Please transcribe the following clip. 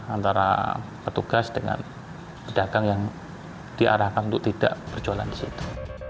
antara petugas dengan pedagang yang diarahkan untuk tidak berjualan di situ